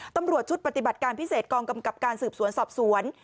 ตำรวจชุดปฏิบัติการพิเศษกองกำกับการสืบสวนสอบสวน